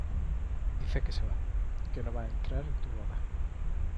dice que se va, que no va a entrar en tu boda.